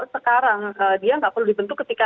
sekarang dia nggak perlu dibentuk ketika